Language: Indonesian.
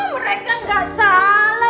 mereka gak salah